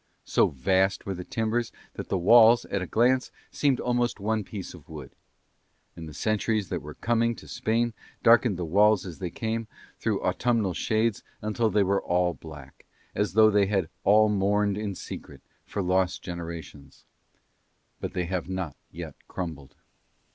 So vast were the timbers that the walls, at a glance, seemed almost one piece of wood. And the centuries that were coming to Spain darkened the walls as they came, through autumnal shades until they were all black, as though they all mourned in secret for lost generations; but they have not yet crumbled.